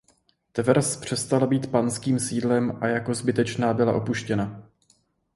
Tvrz přestala být panským sídlem a jako zbytečná byla opuštěna.